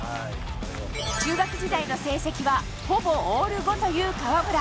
中学時代の成績は、ほぼオール５という河村。